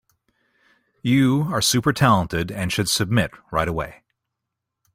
You are super talented and should submit right away.